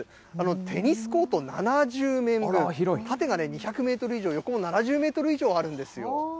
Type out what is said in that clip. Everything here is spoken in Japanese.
テニスコート７０面分、縦が２００メートル以上、横も７０メートル以上あるんですよ。